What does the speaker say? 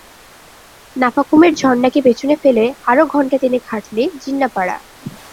নাফাখুমের ঝর্নাকে পেছনে ফেলে আরো ঘন্টা তিনেক হাঁটলে জিন্নাপাড়া।